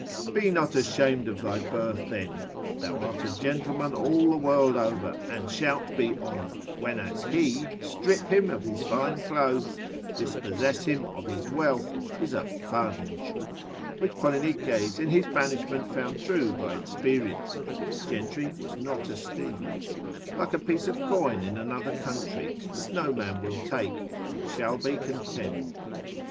Be not ashamed of thy birth then, thou art a gentleman all the world over, and shalt be honoured, when as he, strip him of his fine clothes, dispossess him of his wealth, is a funge (which Polynices in his banishment found true by experience, gentry was not esteemed) like a piece of coin in another country, that no man will take, and shall be contemned.